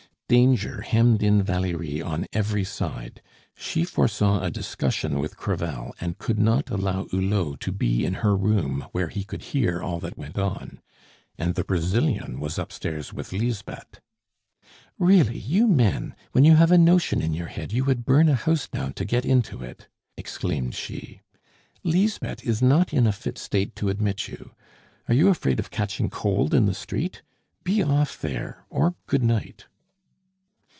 Danger hemmed in Valerie on every side; she foresaw a discussion with Crevel, and could not allow Hulot to be in her room, where he could hear all that went on. And the Brazilian was upstairs with Lisbeth. "Really, you men, when you have a notion in your head, you would burn a house down to get into it!" exclaimed she. "Lisbeth is not in a fit state to admit you. Are you afraid of catching cold in the street? Be off there or good night."